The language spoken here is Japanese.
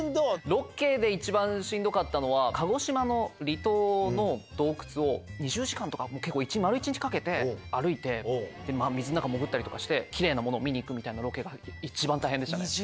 ロケで一番しんどかったのは、鹿児島の離島の洞窟を２０時間とか、結構、丸１日かけて歩いて、水の中、潜ったりとかして、きれいなものを見に行くみたいなロケが、一番大変でしたね。